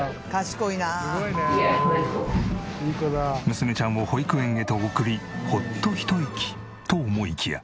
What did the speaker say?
娘ちゃんを保育園へと送りホッとひと息と思いきや。